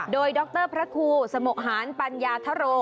โดยดรพระครูสมุหารปัญญาธโร